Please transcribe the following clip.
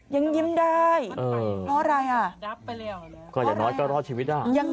ยังยิ้มได้เพราะอะไรยังน้อยก็รอดชีวิตได้